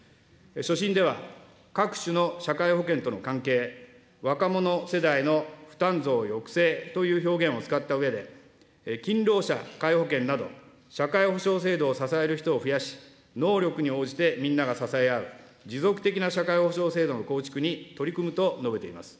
所信では、各種の社会保険との関係、若者世代の負担増抑制という表現を使ったうえで、勤労者皆保険など社会保障制度を支える人を増やし、能力に応じてみんなが支え合う持続的な社会保障制度の構築に取り組むと述べています。